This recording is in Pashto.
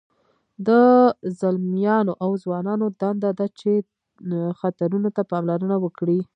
د ځلمیانو او ځوانانو دنده ده چې خطرونو ته پاملرنه وکړي.